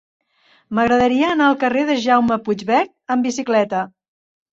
M'agradaria anar al carrer de Jaume Puigvert amb bicicleta.